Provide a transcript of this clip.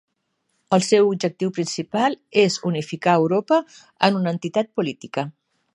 El seu objectiu principal és unificar Europa en una entitat política.